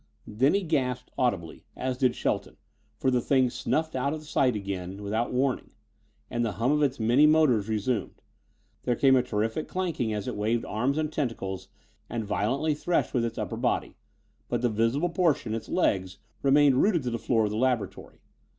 Then he gasped audibly, as did Shelton, for the thing snuffed out of sight again without warning, and the hum of its many motors resumed. There came a terrific clanking as it waved arms and tentacles and violently threshed with its upper body. But the visible portion, its legs, remained rooted to the floor of the laboratory.